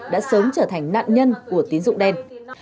đã sớm trở thành nạn nhân của tín dụng đen